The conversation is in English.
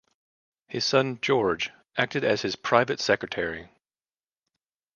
His son, George, acted as his private secretary.